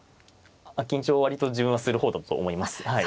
緊張は割と自分はする方だと思います。